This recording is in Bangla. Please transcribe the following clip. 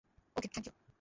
Okay, thank you.